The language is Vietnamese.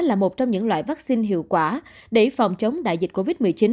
là một trong những loại vaccine hiệu quả để phòng chống đại dịch covid một mươi chín